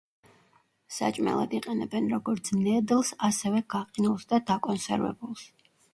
საჭმელად იყენებენ, როგორც ნედლს ასევე გაყინულს და დაკონსერვებულს.